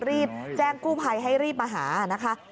รีบแจ้งกู้ภัยให้รีบมาหานะคะ